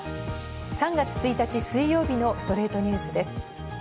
３月１日、水曜日の『ストレイトニュース』です。